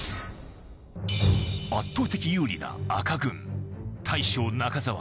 圧倒的有利な赤軍大将・中澤